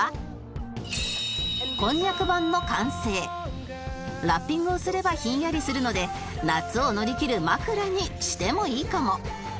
あとはラッピングをすればひんやりするので夏を乗りきる枕にしてもいいかも